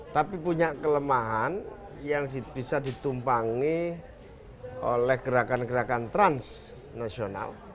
tapi punya kelemahan yang bisa ditumpangi oleh gerakan gerakan transnasional